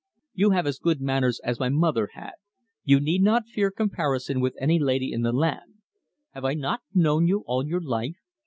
"You have as good manners as my mother had. You need not fear comparison with any lady in the land. Have I not known you all your life?